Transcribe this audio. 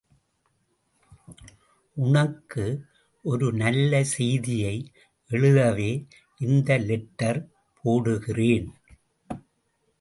உனக்கு ஒரு நல்ல செய்தியை எழுதவே இந்த லெட்டர் போடுகிறேன்.